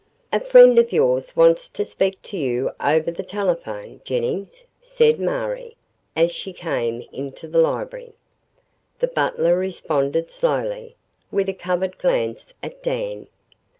"A friend of yours wants to speak to you over the telephone, Jennings," said Marie, as she came into the library. The butler responded slowly, with a covert glance at Dan.